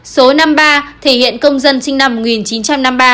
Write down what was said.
số năm mươi ba thể hiện công dân sinh năm một nghìn chín trăm năm mươi ba